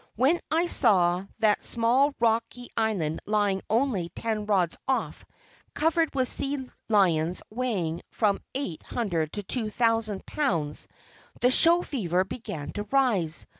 When I saw that small rocky island lying only ten rods off, covered with sea lions weighing from eight hundred to two thousand pounds, the "show fever" began to rise.